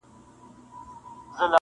دا سرګم د خوږې میني شیرین ساز دی,